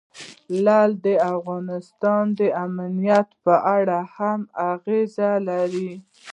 لعل د افغانستان د امنیت په اړه هم اغېز لري.